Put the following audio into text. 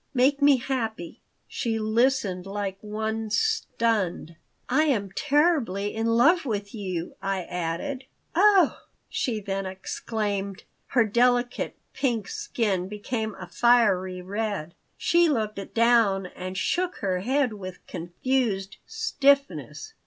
Make me happy." She listened like one stunned "I am terribly in love with you," I added "Oh!" she then exclaimed. Her delicate pink skin became a fiery red. She looked down and shook her head with confused stiffness.